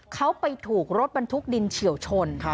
เขาไปถูกรถบรรทุกดินเฉียวชน